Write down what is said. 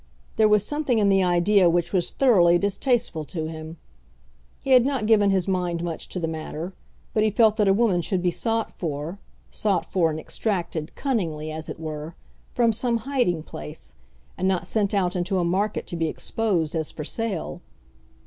There was something in the idea which was thoroughly distasteful to him. He had not given his mind much to the matter, but he felt that a woman should be sought for, sought for and extracted, cunningly, as it were, from some hiding place, and not sent out into a market to be exposed as for sale.